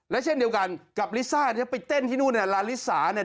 และเช่นเดียวกันกับลิซ่าที่ไปเต้นที่นู่นเนี่ยลาลิสาเนี่ย